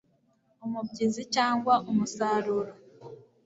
umubyizi cyangwa umusaruro